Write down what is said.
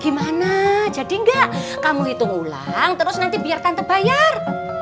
gimana jadi nggak kamu hitung ulang terus nanti biar tante bayar